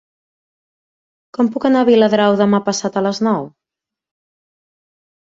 Com puc anar a Viladrau demà passat a les nou?